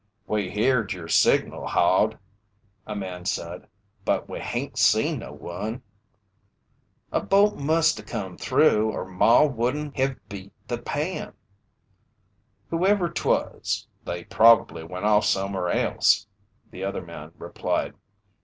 "We heerd yer signal, Hod," a man said, "but we hain't seen no one." "A boat musta come through, or Maw wouldn't heve beat the pan." "Whoever 'twas, they probably went off somewheres else," the other man replied.